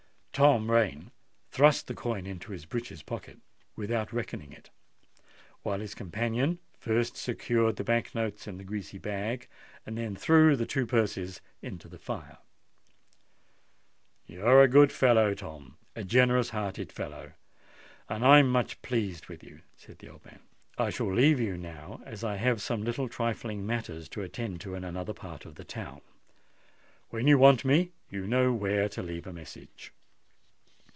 Tom Rain thrust the coin into his breeches' pocket without reckoning it; while his companion first secured the Bank notes in the greasy bag, and then threw the two purses into the fire. "You're a good fellow, Tom—a generous hearted fellow—and I'm much pleased with you," said the old man. "I shall leave you now, as I have some little trifling matters to attend to in another part of the town. When you want me, you know where to leave a message."